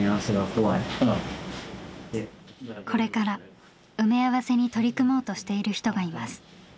これから埋め合わせに取り組もうとしている人がいます。